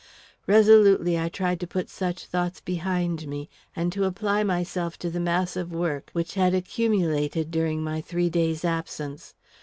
Resolutely I tried to put such thoughts behind me, and to apply myself to the mass of work which had accumulated during my three days' absence.